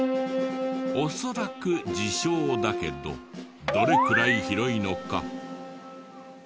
恐らく自称だけどどれくらい広いのか。